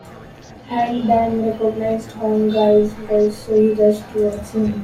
Han Dang recognised Huang Gai's voice so he rushed towards him.